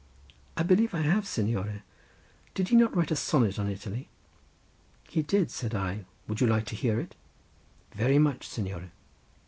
"I believe I have, signore; did he not write a sonnet on Italy?" "He did," said I; "would you like to hear it?" "Very much, signore."